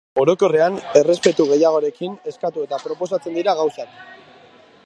Orokorrean errespetu gehiagorekin eskatu eta proposatzen dira gauzak.